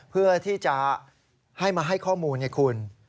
เพื่อที่จะให้มาให้ข้อมูลไงคุณ